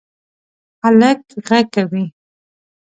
هلک غږ کوی